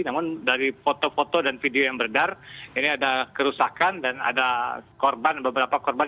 namun dari foto foto dan video yang beredar ini ada kerusakan dan ada korban beberapa korban